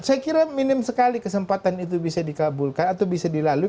saya kira minim sekali kesempatan itu bisa dikabulkan atau bisa dilalui